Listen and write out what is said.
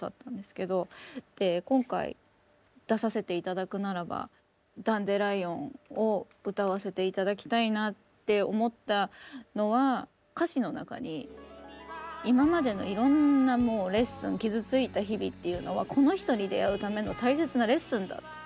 で今回出させて頂くならば「ダンデライオン」を歌わせて頂きたいなって思ったのは歌詞の中に今までのいろんなもうレッスン傷ついた日々っていうのはこの人に出逢うための大切なレッスンだった。